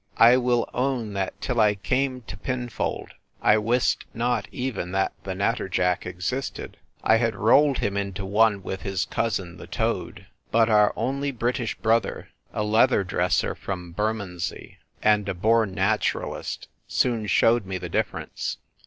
I will own that till I came to Pinfold I wist not even that the natterjack existed. I had rolled him into one with his cousin the toad. But our only British brother, a leather dresser from Bermondsey, and a born naturalist, soon showed me the difference.